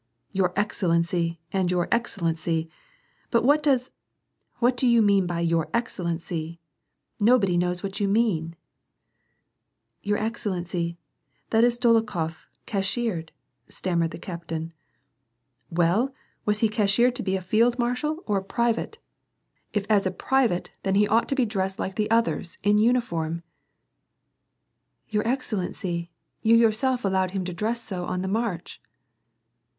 'Your excellency! and *youT excellency!' But what does — do you mean by 'your excellency '?* Nobody knows what you mean !" "Your excellency, that is Dolokhof, cashiered," stammered the captain. ,_• i. o "Well, was he cashiered to be a field marshal, or a private .''• IMshe prevaskhodiyeUtvo^ 134 WAR A\D PEACE, If as a private, then he ought to be dressed like the others, in uniform !"" Your excellency, you yourself allowed him to dress so on the march."